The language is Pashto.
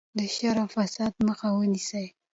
د شر او فساد مخه ونیسئ.